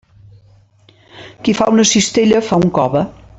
Qui fa una cistella, fa un cove.